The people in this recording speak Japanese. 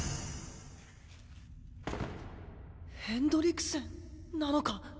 ヘンドリクセンなのか？